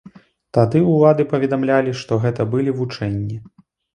Тады ўлады паведамлялі, што гэта былі вучэнні.